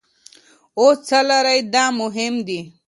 اوس څه لرئ دا مهم دي.